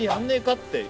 って。